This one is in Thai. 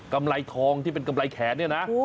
กำไรทองที่เป็นกำไรแขนเนี่ยนะ